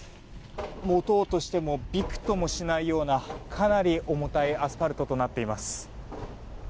持とうとしてもびくともしないようなかなり重たいアスファルトとなっています。